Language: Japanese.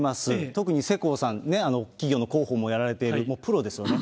特に世耕さんね、企業の広報もやられている、もうプロですよね。